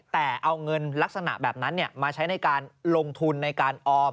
แต่เอาเงินลักษณะแบบนั้นมาใช้ในการลงทุนในการออม